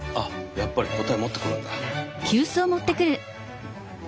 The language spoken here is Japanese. やっぱり答え持ってくるんだ松元くんが。